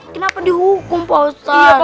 kenapa dihukum pak ustaz